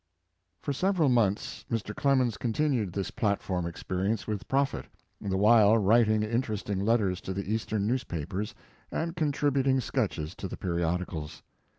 For several months Mr. Clemens con tinued this platform experience with profit, the while writing interesting letters to the Eastern newspapers and contributing sketches to the periodicals.